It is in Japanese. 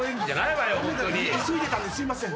急いでたんですいません。